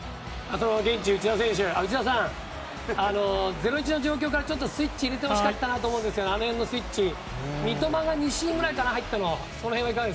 現地、内田さん０−１の状況からちょっとスイッチ入れてほしかったなと思うんですがあの辺のスイッチ三笘が２シーンぐらいから入ったのかな